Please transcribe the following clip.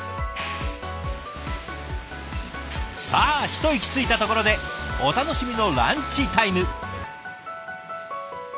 さあ一息ついたところでお楽しみのランチタイム。